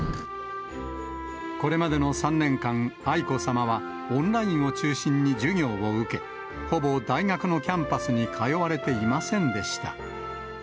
これまでの３年間、愛子さまはオンラインを中心に授業を受け、ほぼ大学のキャンパスに通われていませんでした。